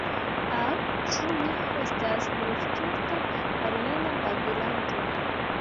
Aŭ ĉu mi estas nur stulta maljuna babilanto?